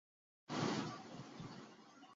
وہ اس تلاش میں تھے